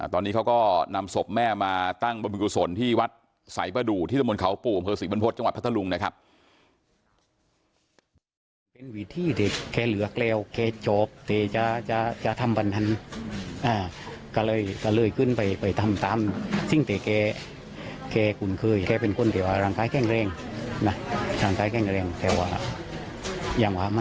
ตอนนี้เขาก็นำศพแม่มาตั้งบรรพิกุศลที่วัดสายประดูกที่ตะมนต์เขาปู่อำเภอศรีบรรพฤษจังหวัดพัทธลุงนะครับ